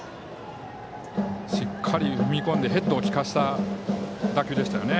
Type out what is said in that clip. しっかり踏み込んでヘッドを利かせた打球でしたね。